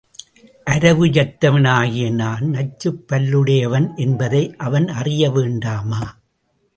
அரவுயர்த்தவன் ஆகிய நான் நச்சுப்பல்லுடை யவன் என்பதை அவன் அறிய வேண்டாமா?